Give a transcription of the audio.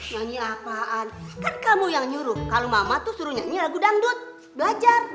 nyanyi apaan kan kamu yang nyuruh kalau mama tuh suruh nyanyi lagu dangdut belajar